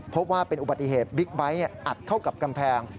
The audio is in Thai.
พบว่าเป็นอุบัติเหตุบิ๊กไบท์อัดเข้ากับกำแพง